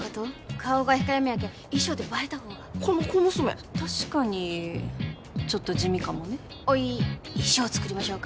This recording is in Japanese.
顔が控えめやけん衣装で映えたほうがこの小娘確かにちょっと地味かもねおい衣装作りましょうか？